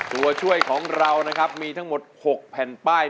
ตัวช่วยของเรานะครับมีทั้งหมด๖แผ่นป้าย